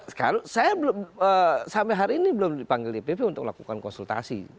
sekarang saya belum sampai hari ini belum dipanggil dpp untuk lakukan konsultasi